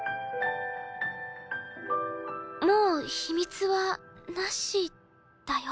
もう秘密はナシだよ？